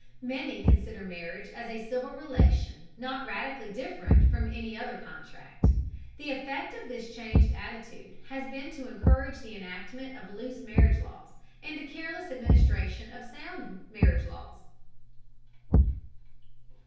Many consider marriage as a civil relation not radically different from any other contract. The effect of this changed attitude has been to encourage the enactment of loose marriage laws, and the careless administration of sound marriage laws.